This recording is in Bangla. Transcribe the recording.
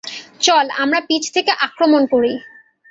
চল, আমরা পিছে থেকে আক্রমণ করি!